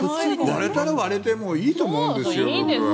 割れたら割れたでいいと思うんですよ。